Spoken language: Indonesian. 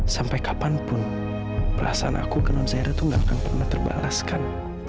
sampai kapanpun perasaan aku ke non seira tuh gak akan pernah terbalaskan